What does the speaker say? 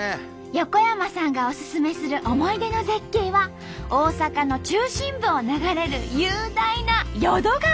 横山さんがおすすめする思い出の絶景は大阪の中心部を流れる雄大な淀川。